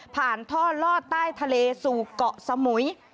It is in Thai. ท่อลอดใต้ทะเลสู่เกาะสมุย